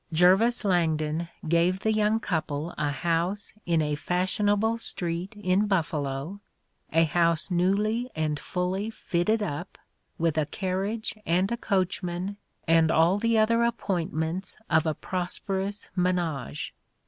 Jervis Langdon gave the young couple a house in a fashionable street in Buffalo, a house newly and fully fitted up, with a carriage and a coachman and all the other appointments of a prosperous .mewag^e.